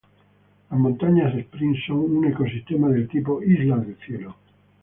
Las montañas Spring son un ecosistema del tipo isla del cielo.